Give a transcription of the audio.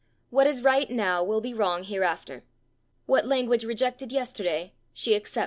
What is right now will be wrong hereafter, what language rejected yesterday she accepts today."